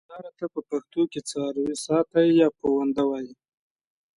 مالدار ته په پښتو کې څارويساتی یا پوونده وایي.